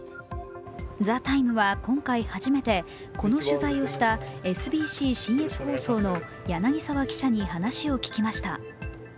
「ＴＨＥＴＩＭＥ，」は今回初めてこの取材をしたＳＢＣ信越放送の柳澤記者に話を聞きました。